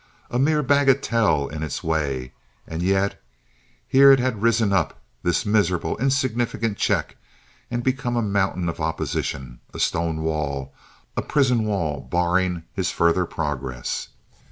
A mere bagatelle in its way; and yet here it had risen up, this miserable, insignificant check, and become a mountain of opposition, a stone wall, a prison wall barring his further progress.